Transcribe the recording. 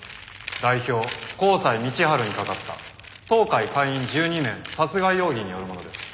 代表高斎道春にかかった当会会員１２名の殺害容疑によるものです」